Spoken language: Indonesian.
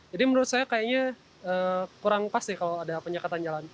jadi menurut saya kayaknya kurang pas sih kalau ada penyekatan jalan